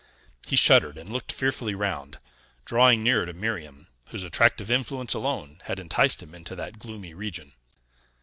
He shuddered, and looked fearfully round, drawing nearer to Miriam, whose attractive influence alone had enticed him into that gloomy region.